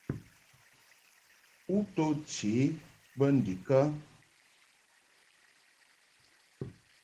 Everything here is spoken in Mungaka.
U to che bə ndikə ?